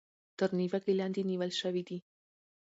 تر نېوکې لاندې نيول شوي دي.